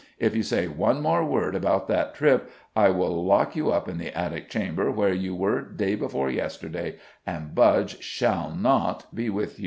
"If you say one more word about that trip, I will lock you up in the attic chamber, where you were day before yesterday, and Budge shall not be with you."